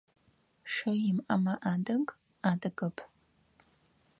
Шы имыӏэмэ адыг – адыгэп.